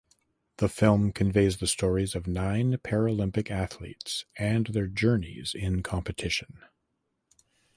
The film conveys the stories of nine Paralympic athletes and their journeys in competition.